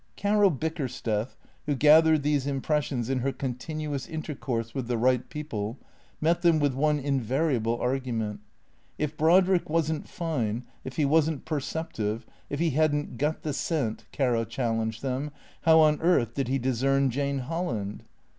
Caro Biekersteth, who gathered these impressions in her con tinuous intercourse with the right people, met them with one invariable argument. If Brodrick was n't fine, if he was n't perceptive, if he had n't got the scent, Caro challenged them, how on earth did he discern Jane Holland?